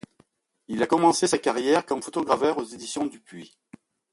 Il a commencé sa carrière comme photograveur aux éditions Dupuis.